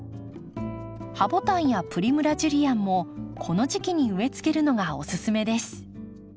ハボタンやプリムラ・ジュリアンもこの時期に植えつけるのがおすすめです。